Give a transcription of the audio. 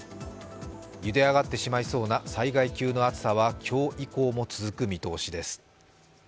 ゆで上がってしまいそうな災害級の暑さは今日以降も続く見通しです。